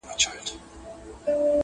o يار دي وي، د بل ديار دي وي٫